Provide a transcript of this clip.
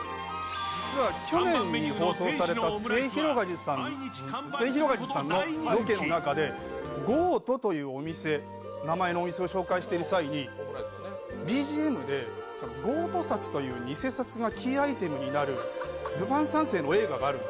去年に放送されたすゑひろがりずさんのロケの中でゴートという名前のお店を紹介している際にＢＧＭでゴート札という偽札がキーアイテムになる「ルパン三世」のアイテムがある。